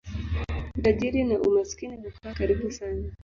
Utajiri na umaskini hukaa karibu sana.